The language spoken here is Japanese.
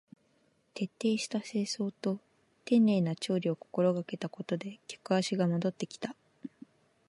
徹底した清掃と丁寧な調理を心がけたことで客足が戻ってきた